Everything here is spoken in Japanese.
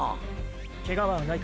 ケガはないか？